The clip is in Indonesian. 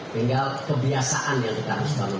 tinggal kebiasaan yang kita harus bangun